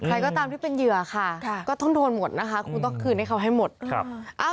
ใครก็ตามที่เป็นเหยื่อค่ะก็ต้องโดนหมดนะคะคุณต้องคืนให้เขาให้หมดครับ